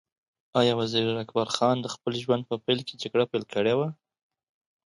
ایا وزیر اکبر خان د خپل ژوند په پیل کې جګړه کړې وه؟